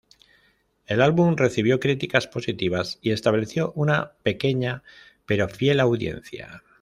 El álbum recibió críticas positivas y estableció una pequeña pero fiel audiencia.